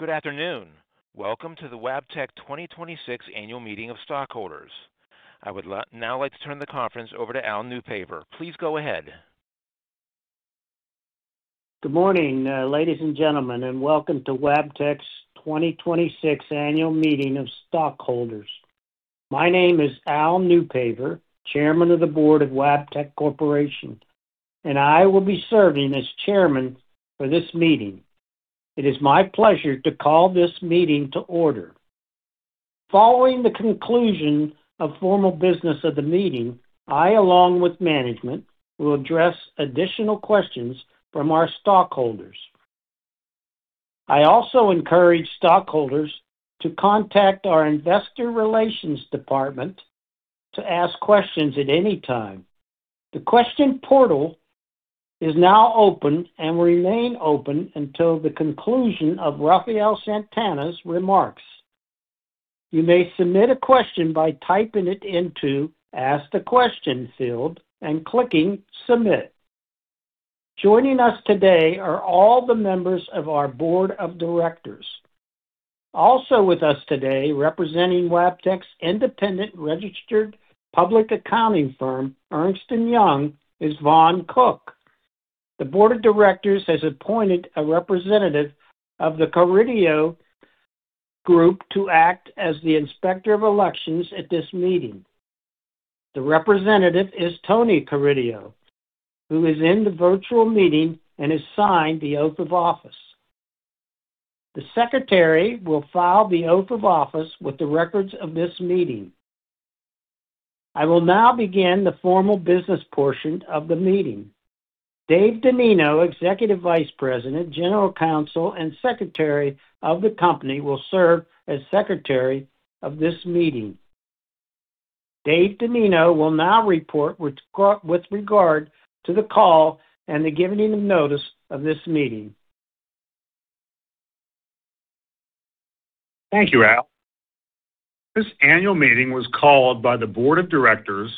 Good afternoon. Welcome to the Wabtec 2026 Annual Meeting of Stockholders. I would now like to turn the conference over to Albert J. Neupaver. Please go ahead. Good morning, ladies and gentlemen, and welcome to Wabtec's 2026 Annual Meeting of Stockholders. My name is Albert J. Neupaver, Chairman of the Board of Wabtec Corporation, and I will be serving as chairman for this meeting. It is my pleasure to call this meeting to order. Following the conclusion of formal business of the meeting, I, along with management, will address additional questions from our stockholders. I also encourage stockholders to contact our investor relations department to ask questions at any time. The question portal is now open and will remain open until the conclusion of Rafael Santana's remarks. You may submit a question by typing it into Ask the Question field and clicking Submit. Joining us today are all the members of our board of directors. Also with us today, representing Wabtec's independent registered public accounting firm, Ernst & Young, is Vaughn Cook. The board of directors has appointed a representative of The Carideo Group to act as the inspector of elections at this meeting. The representative is Tony Carideo, who is in the virtual meeting and has signed the oath of office. The secretary will file the oath of office with the records of this meeting. I will now begin the formal business portion of the meeting. Dave DeNinno, Executive Vice President, General Counsel, and Secretary of the Company, will serve as Secretary of this Meeting. Dave DeNinno will now report with regard to the call and the giving of notice of this Meeting. Thank you, Al. This annual meeting was called by the board of directors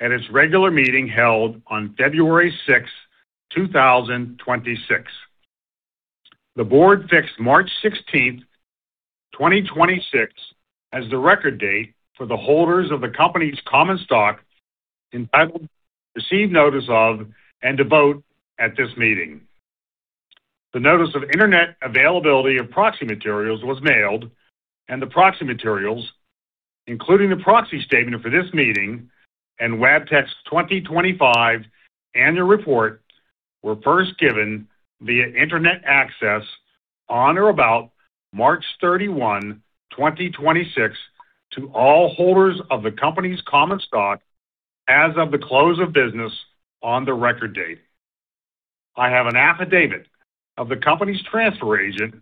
at its regular meeting held on February sixth, 2026. The board fixed March 16th, 2026 as the record date for the holders of the company's common stock entitled to receive notice of and to vote at this meeting. The notice of Internet availability of proxy materials was mailed, and the proxy materials, including the proxy statement for this meeting and Wabtec's 2025 annual report, were first given via Internet access on or about March 31, 2026 to all holders of the company's common stock as of the close of business on the record date. I have an affidavit of the company's transfer agent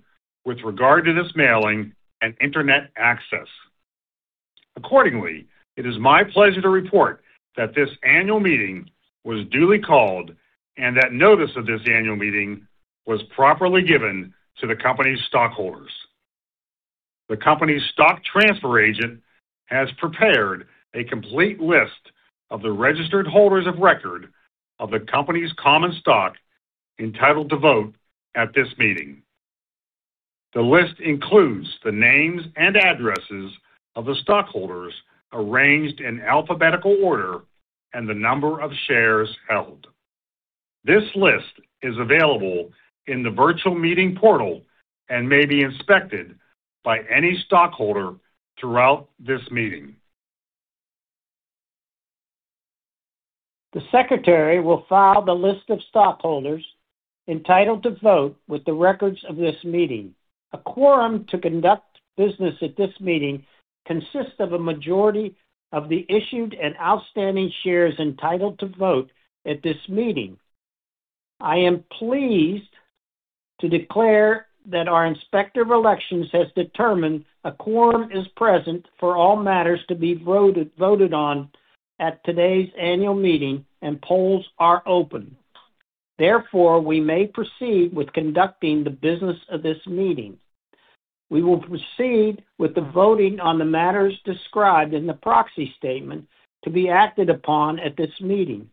with regard to this mailing and Internet access. Accordingly, it is my pleasure to report that this annual meeting was duly called and that notice of this annual meeting was properly given to the company's stockholders. The company's stock transfer agent has prepared a complete list of the registered holders of record of the company's common stock entitled to vote at this meeting. The list includes the names and addresses of the stockholders arranged in alphabetical order and the number of shares held. This list is available in the virtual meeting portal and may be inspected by any stockholder throughout this meeting. The secretary will file the list of stockholders entitled to vote with the records of this meeting. A quorum to conduct business at this meeting consists of a majority of the issued and outstanding shares entitled to vote at this meeting. I am pleased to declare that our inspector of elections has determined a quorum is present for all matters to be voted on at today's annual meeting and polls are open. We may proceed with conducting the business of this meeting. We will proceed with the voting on the matters described in the proxy statement to be acted upon at this meeting.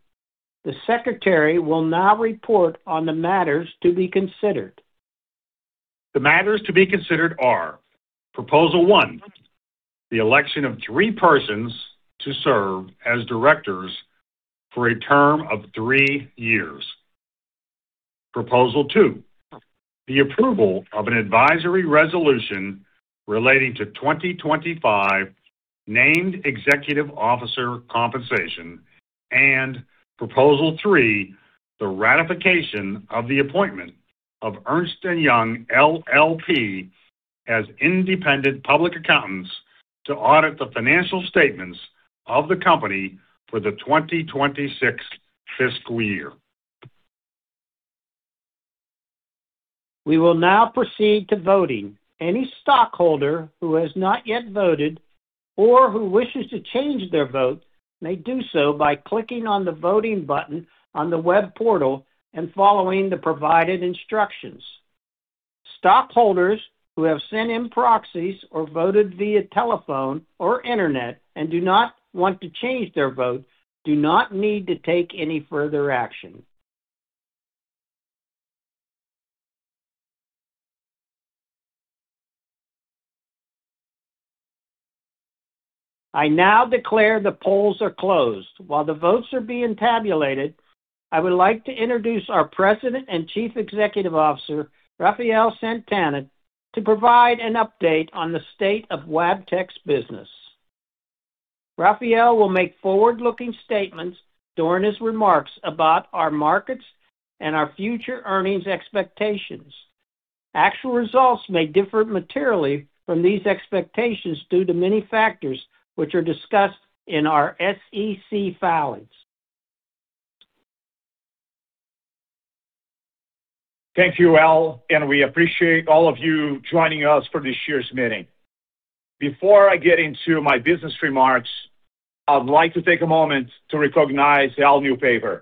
The secretary will now report on the matters to be considered. The matters to be considered are: Proposal 1, the election of 3 persons to serve as directors for a term of three years. Proposal 2, the approval of an advisory resolution relating to 2025 named executive officer compensation. Proposal 3, the ratification of the appointment of Ernst & Young LLP as independent public accountants to audit the financial statements of the company for the 2026 fiscal year. We will now proceed to voting. Any stockholder who has not yet voted or who wishes to change their vote may do so by clicking on the voting button on the web portal and following the provided instructions. Stockholders who have sent in proxies or voted via telephone or internet and do not want to change their vote do not need to take any further action. I now declare the polls are closed. While the votes are being tabulated, I would like to introduce our President and Chief Executive Officer, Rafael Santana, to provide an update on the state of Wabtec's business. Rafael will make forward-looking statements during his remarks about our markets and our future earnings expectations. Actual results may differ materially from these expectations due to many factors which are discussed in our SEC filings. Thank you, Albert. We appreciate all of you joining us for this year's meeting. Before I get into my business remarks, I'd like to take a moment to recognize Albert J. Neupaver.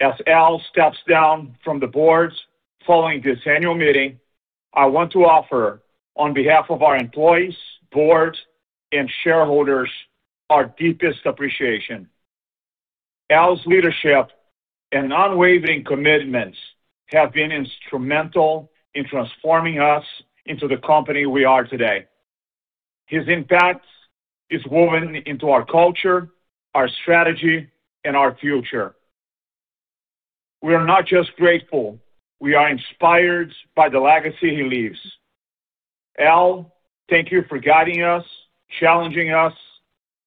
As Albert steps down from the boards following this annual meeting, I want to offer on behalf of our employees, board, and shareholders our deepest appreciation. Albert's leadership and unwavering commitments have been instrumental in transforming us into the company we are today. His impact is woven into our culture, our strategy, and our future. We are not just grateful, we are inspired by the legacy he leaves. Albert, thank you for guiding us, challenging us,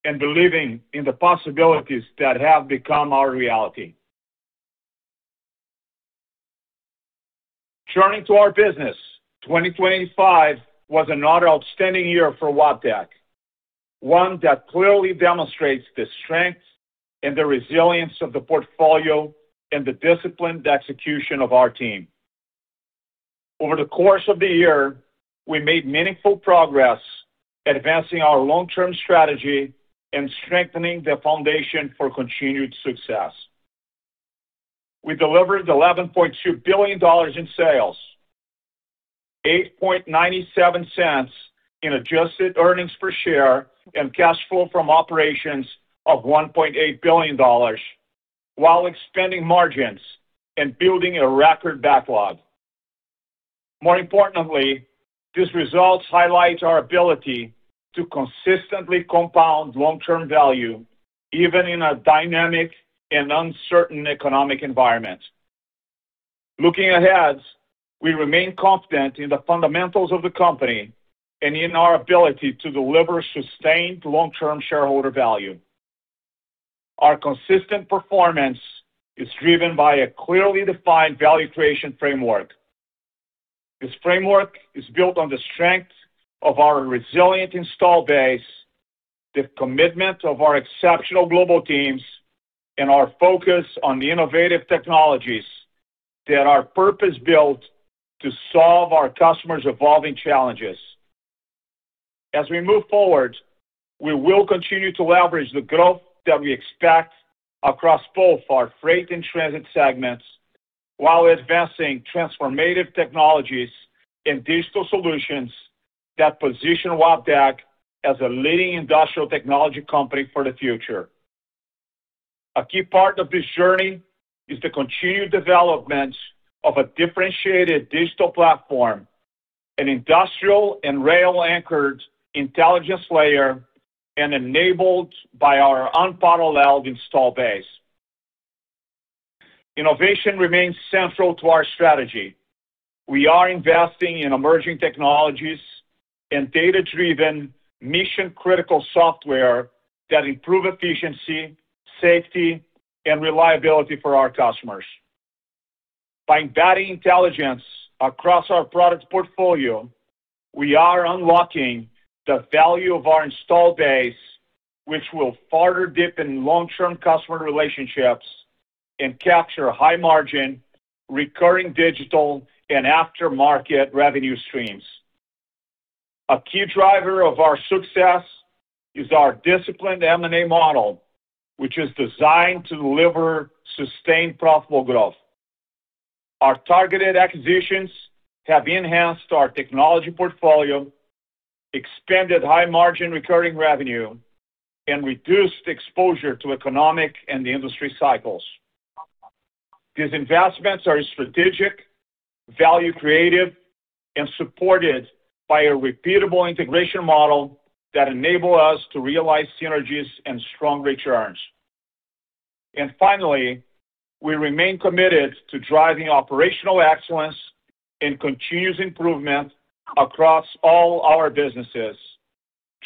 and believing in the possibilities that have become our reality. Turning to our business, 2025 was another outstanding year for Wabtec. One that clearly demonstrates the strength and the resilience of the portfolio and the disciplined execution of our team. Over the course of the year, we made meaningful progress advancing our long-term strategy and strengthening the foundation for continued success. We delivered $11.2 billion in sales, $8.97 in adjusted earnings per share, and cash flow from operations of $1.8 billion while expanding margins and building a record backlog. More importantly, these results highlight our ability to consistently compound long-term value even in a dynamic and uncertain economic environment. Looking ahead, we remain confident in the fundamentals of the company and in our ability to deliver sustained long-term shareholder value. Our consistent performance is driven by a clearly defined value creation framework. This framework is built on the strength of our resilient install base, the commitment of our exceptional global teams, and our focus on the innovative technologies that are purpose-built to solve our customers' evolving challenges. As we move forward, we will continue to leverage the growth that we expect across both our freight and transit segments while advancing transformative technologies and digital solutions that position Wabtec as a leading industrial technology company for the future. A key part of this journey is the continued development of a differentiated digital platform, an industrial and rail-anchored intelligence layer, and enabled by our unparalleled install base. Innovation remains central to our strategy. We are investing in emerging technologies and data-driven mission-critical software that improve efficiency, safety, and reliability for our customers. By embedding intelligence across our product portfolio, we are unlocking the value of our installed base, which will further deepen long-term customer relationships and capture high-margin, recurring digital and aftermarket revenue streams. A key driver of our success is our disciplined M&A model, which is designed to deliver sustained profitable growth. Our targeted acquisitions have enhanced our technology portfolio, expanded high-margin recurring revenue, and reduced exposure to economic and industry cycles. These investments are strategic, value creative, and supported by a repeatable integration model that enable us to realize synergies and strong returns. Finally, we remain committed to driving operational excellence and continuous improvement across all our businesses,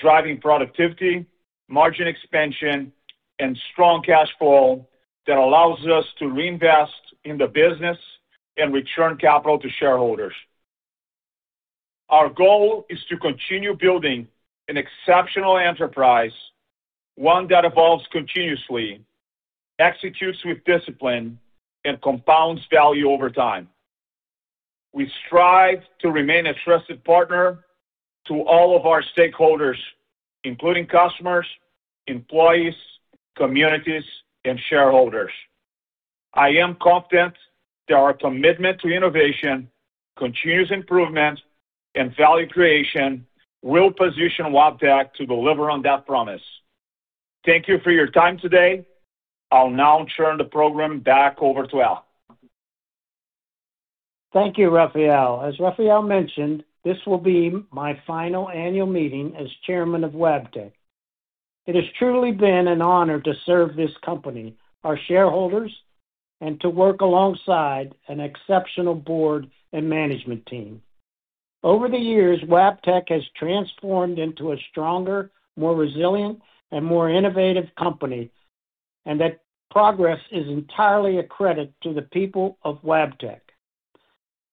driving productivity, margin expansion, and strong cash flow that allows us to reinvest in the business and return capital to shareholders. Our goal is to continue building an exceptional enterprise, one that evolves continuously, executes with discipline, and compounds value over time. We strive to remain a trusted partner to all of our stakeholders, including customers, employees, communities, and shareholders. I am confident that our commitment to innovation, continuous improvement, and value creation will position Wabtec to deliver on that promise Thank you for your time today. I'll now turn the program back over to Albert. Thank you, Rafael. As Rafael mentioned, this will be my final annual meeting as Chairman of Wabtec. It has truly been an honor to serve this company, our shareholders, and to work alongside an exceptional board and management team. Over the years, Wabtec has transformed into a stronger, more resilient, and more innovative company, and that progress is entirely a credit to the people of Wabtec.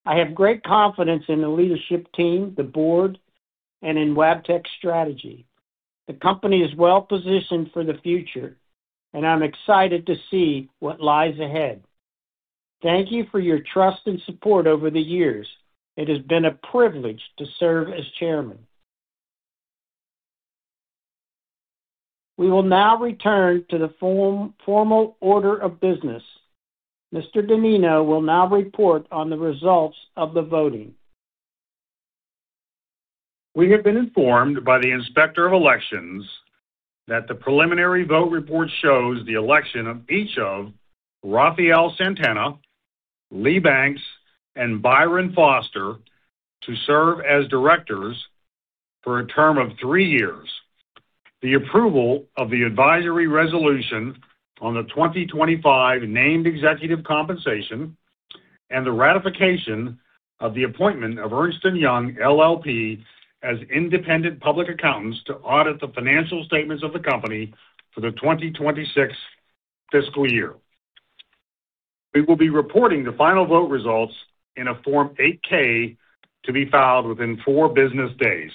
I have great confidence in the leadership team, the board, and in Wabtec's strategy. The company is well-positioned for the future, and I'm excited to see what lies ahead. Thank you for your trust and support over the years. It has been a privilege to serve as Chairman. We will now return to the formal order of business. Mr. DeNinno will now report on the results of the voting. We have been informed by the Inspector of Elections that the preliminary vote report shows the election of each of Rafael Santana, Lee C. Banks, and Byron S. Foster to serve as directors for a term of three years. The approval of the advisory resolution on the 2025 named executive compensation and the ratification of the appointment of Ernst & Young LLP as independent public accountants to audit the financial statements of the company for the 2026 fiscal year. We will be reporting the final vote results in a Form 8-K to be filed within four business days.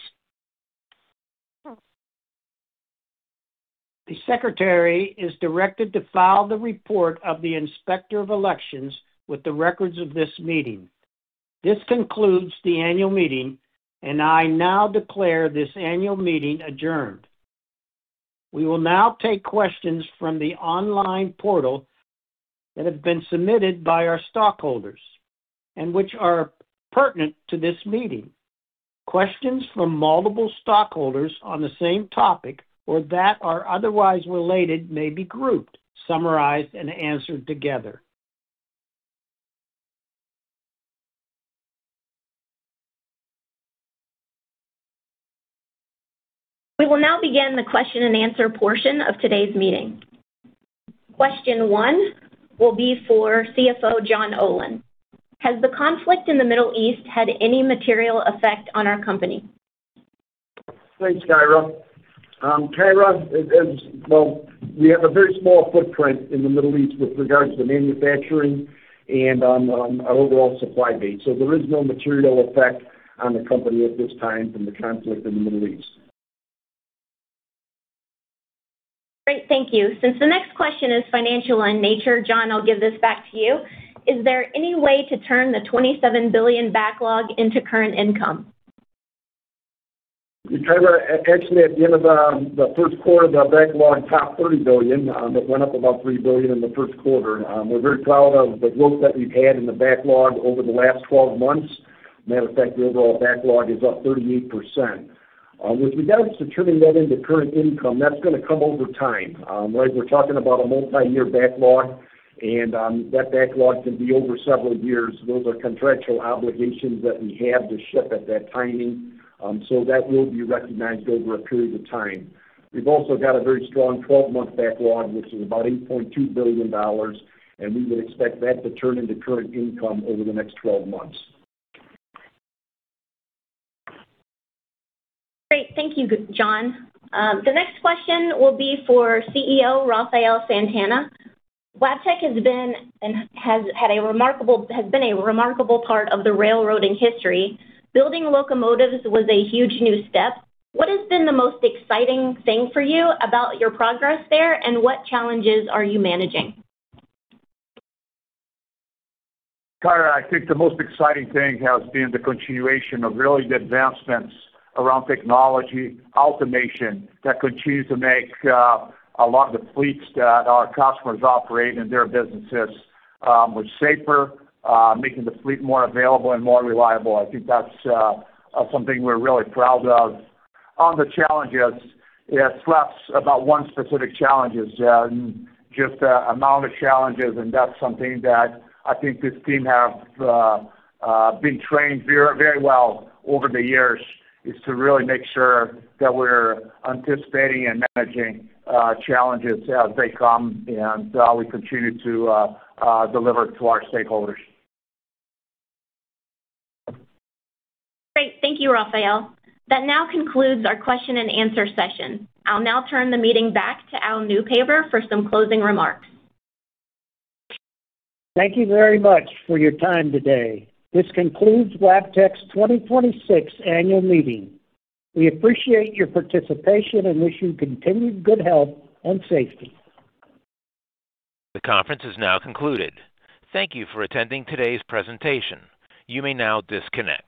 The Secretary is directed to file the report of the Inspector of Elections with the records of this meeting. This concludes the annual meeting, and I now declare this annual meeting adjourned. We will now take questions from the online portal that have been submitted by our stockholders and which are pertinent to this meeting. Questions from multiple stockholders on the same topic or that are otherwise related may be grouped, summarized, and answered together. We will now begin the question and answer portion of today's meeting. Question one will be for CFO John Olin. Has the conflict in the Middle East had any material effect on our company? Thanks, Kyra. Kyra, as well, we have a very small footprint in the Middle East with regards to manufacturing and on our overall supply base. There is no material effect on the company at this time from the conflict in the Middle East. Great. Thank you. Since the next question is financial in nature, John, I'll give this back to you. Is there any way to turn the $27 billion backlog into current income? Kyra, actually, at the end of the first quarter, the backlog topped $30 billion, it went up about $3 billion in the first quarter. We're very proud of the growth that we've had in the backlog over the last 12 months. Matter of fact, the overall backlog is up 38%. With regards to turning that into current income, that's gonna come over time. Right, we're talking about a multi-year backlog and that backlog can be over several years. Those are contractual obligations that we have to ship at that timing, so that will be recognized over a period of time. We've also got a very strong 12 month backlog, which is about $8.2 billion, and we would expect that to turn into current income over the next 12 months. Great. Thank you, John. The next question will be for CEO Rafael Santana. Wabtec has been a remarkable part of the railroading history. Building locomotives was a huge new step. What has been the most exciting thing for you about your progress there, and what challenges are you managing? Kyra, I think the most exciting thing has been the continuation of really the advancements around technology, automation that continues to make a lot of the fleets that our customers operate in their businesses much safer, making the fleet more available and more reliable. I think that's something we're really proud of. On the challenges, it's less about one specific challenges, just the amount of challenges, and that's something that I think this team have been trained very well over the years, is to really make sure that we're anticipating and managing challenges as they come, and we continue to deliver to our stakeholders. Great. Thank you, Rafael. That now concludes our question and answer session. I'll now turn the meeting back to Albert J. Neupaver for some closing remarks. Thank you very much for your time today. This concludes Wabtec's 2026 Annual Meeting. We appreciate your participation and wish you continued good health and safety. The conference is now concluded. Thank you for attending today's presentation. You may now disconnect.